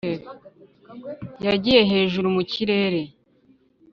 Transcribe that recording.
yagiye hejuru mukirere